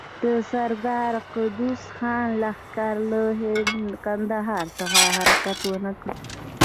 د سردار قدوس خان لښکر له کندهار څخه حرکت ونه کړ.